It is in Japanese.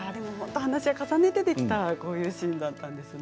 話し合いを重ねてできたシーンだったんですね。